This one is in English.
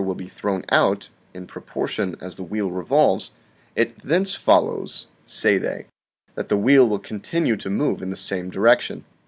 6. will be thrown out, in proportion as the wheel revolves, it thence follows, say they, that the wheel will continue to move in the same direction.